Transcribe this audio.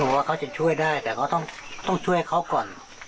ว่าเขาจะช่วยได้แต่เขาต้องช่วยเขาก่อน